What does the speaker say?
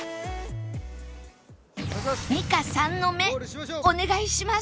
２か３の目お願いします！